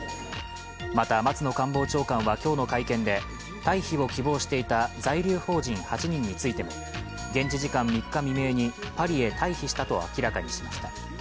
また、松野官房長官は今日の会見で退避を希望していた在留邦人８人についても、現地時間３日未明にパリに退避したと明らかにしました。